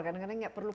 jadi kita harus